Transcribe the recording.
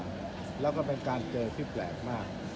วันอาทิตย์ที่ผ่านมาแล้วก็เป็นการเจอที่แปลกมาก